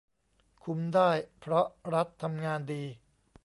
คุมได้ เพราะรัฐทำงานดี